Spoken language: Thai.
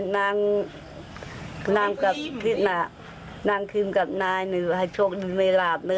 นางกับพี่หนักนางครีมกับนายให้โชคดีไม่หลาบ